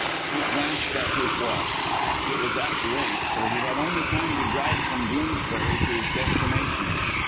He glanced at his watch. It was after eight, so he had only time to drive from Bloomsbury to his destination.